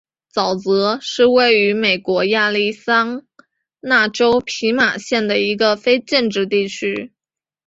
沼泽是位于美国亚利桑那州皮马县的一个非建制地区。